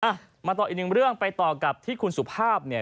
อ่ะมาต่ออีกหนึ่งเรื่องไปต่อกับที่คุณสุภาพเนี่ย